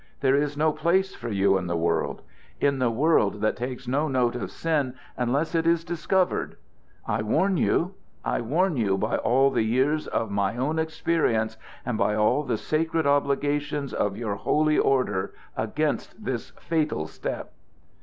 There is no place for you in the world in the world that takes no note of sin unless it is discovered. I warn you I warn you by all the years of my own experience, and by all the sacred obligations of your holy order, against this fatal step."